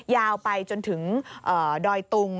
ยาวไปจนถึงดอยตุง